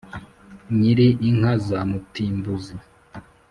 nyiri inka za mutimbuzi,